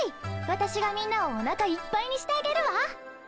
わたしがみんなをおなかいっぱいにしてあげるわ。